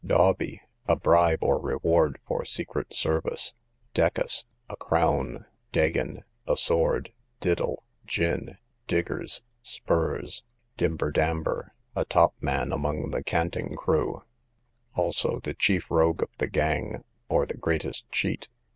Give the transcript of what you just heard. Dawbe, a bribe or reward for secret service. Decus, a crown. Degen, a sword. Diddle, gin. Diggers, spurs. Dimber Damber, a top man among the canting crew; also the chief rogue of the gang, or the greatest cheat.